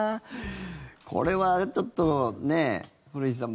これはちょっと古市さん